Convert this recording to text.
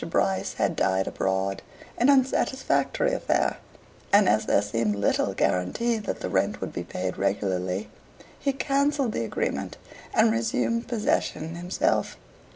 Bryce had died abroad an unsatisfactory affair and as there seemed little guarantee that the rent would be paid regularly, he cancelled the agreement, and resumed possession himself.